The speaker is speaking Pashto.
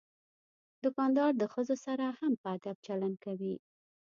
دوکاندار د ښځو سره هم په ادب چلند کوي.